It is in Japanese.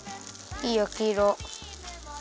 いいやきいろ。